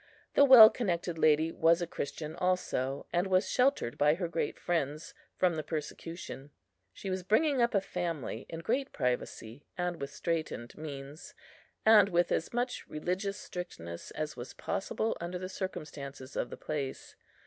The well connected lady was a Christian also, and was sheltered by her great friends from the persecution. She was bringing up a family in great privacy, and with straitened means, and with as much religious strictness as was possible under the circumstances of the place.